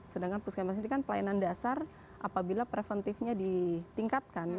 sedangkan puskesmas ini kan pelayanan dasar apabila preventifnya ditingkatkan